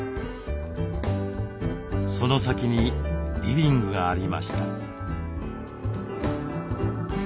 その先にリビングがありました。